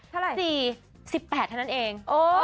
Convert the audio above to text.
๔๑๘เท่านั้นเอง